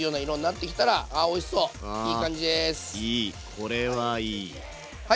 これはいい。